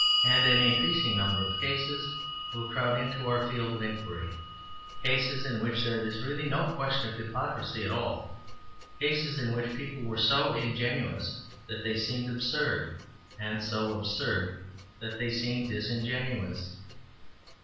And an increasing number of cases will crowd into our field of inquiry, cases in which there is really no question of hypocrisy at all, cases in which people were so ingenuous that they seemed absurd, and so absurd that they seemed disingenuous.